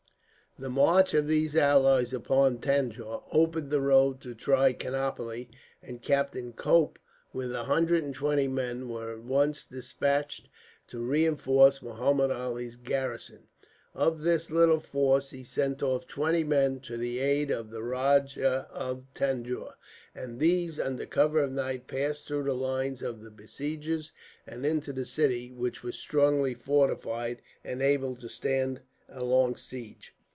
"The march of these allies upon Tanjore opened the road to Trichinopoli; and Captain Cope, with a hundred and twenty men, were at once despatched to reinforce Muhammud Ali's garrison. Of this little force, he sent off twenty men to the aid of the Rajah of Tanjore, and these, under cover of the night, passed through the lines of the besiegers and into the city, which was strongly fortified and able to stand a long siege.